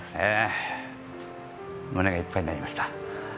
胸がいっぱいになりました。